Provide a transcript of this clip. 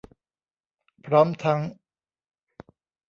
พร้อมทั้ง